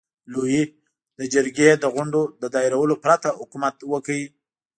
لويي د جرګې د غونډو له دایرولو پرته حکومت وکړ.